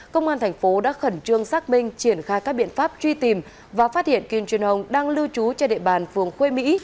công an thành phố đã khẩn trương xác minh triển khai các biện pháp truy tìm và phát hiện kim jun hong đang lưu trú trên địa bàn phường khuê mỹ